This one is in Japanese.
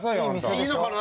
いいのかな？